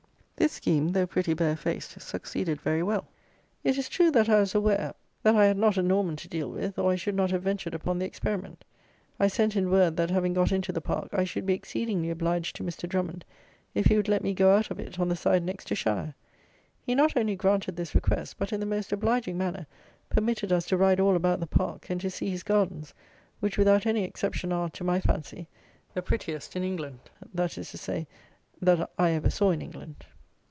This scheme, though pretty bare faced, succeeded very well. It is true that I was aware that I had not a Norman to deal with; or, I should not have ventured upon the experiment. I sent in word that, having got into the park, I should be exceedingly obliged to Mr. Drummond if he would let me go out of it on the side next to Shire. He not only granted this request, but, in the most obliging manner, permitted us to ride all about the park, and to see his gardens, which, without any exception, are, to my fancy, the prettiest in England; that is to say, that I ever saw in England.